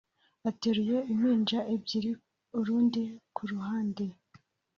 Ateruye impinja ebyiri urundi ku ruhande